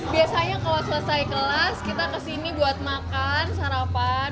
biasanya kalau selesai kelas kita kesini buat makan sarapan